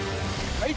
はい！